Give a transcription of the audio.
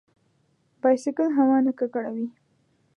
بایسکل هوا نه ککړوي.